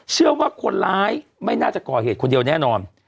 เชื่อว่าคนร้ายไม่น่าจะก่อเหตุคนเดียวแน่นอน